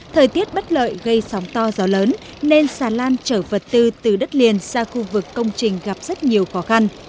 thời tiết bất lợi gây sóng to gió lớn nên xà lan chở vật tư từ đất liền ra khu vực công trình gặp rất nhiều khó khăn